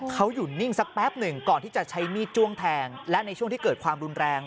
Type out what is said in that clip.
เขาอยู่นิ่งสักแป๊บหนึ่งก่อนที่จะใช้มีดจ้วงแทงและในช่วงที่เกิดความรุนแรง